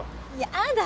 やだ！